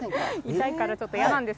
痛いからちょっと嫌なんです